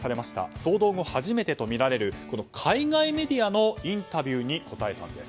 騒動後初めてとみられる海外メディアのインタビューに答えたんです。